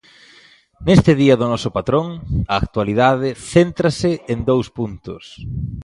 Neste día do noso patrón, a actualidade céntrase en dous puntos.